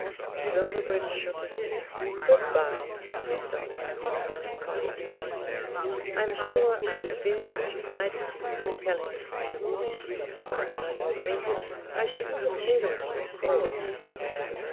Silverbridge shook his head. "Good bye," said Dolly in a melancholy tone; "I am sure I am very much obliged to you for telling me. If I'd known you'd meant it, I shouldn't have meddled, of course.